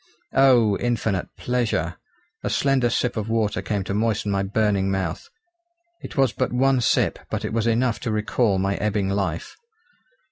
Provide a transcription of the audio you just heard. Oh! infinite pleasure! a slender sip of water came to moisten my burning mouth. It was but one sip but it was enough to recall my ebbing life.